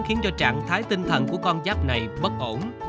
khiến cho trạng thái tinh thần của con giáp này bất ổn